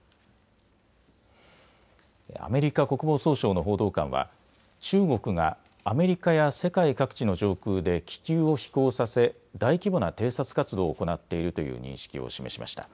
アメリカ国防総省の報道官は中国がアメリカや世界各地の上空で気球を飛行させ大規模な偵察活動を行っているという認識を示しました。